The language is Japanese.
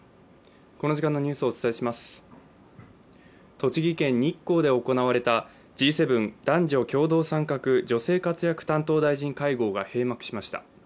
栃木県日光で行われたＧ７男女共同参画・女性活躍担当大臣会合が閉幕しました。